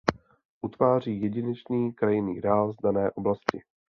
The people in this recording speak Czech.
Utváří jedinečný krajinný ráz dané oblasti.